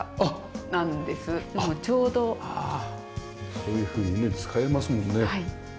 そういうふうにね使えますもんね。